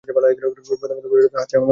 প্রথম অন্ধ বলিল, হাতী হইল দড়ির মত।